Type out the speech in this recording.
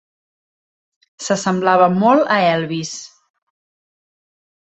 S'assemblava molt a Elvis.